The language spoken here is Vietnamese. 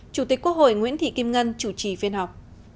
chủ tịch quốc hội nguyễn thị kim ngân chủ trì phiên họp